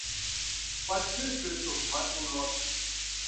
วันชื่นคืนสุข - มธุรส